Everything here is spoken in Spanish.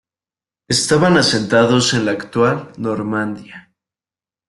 Estaban asentados en la actual Normandía.